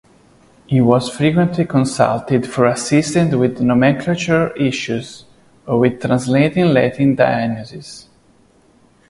He was frequently consulted for assistance with nomenclatural issues or with translating Latin diagnoses.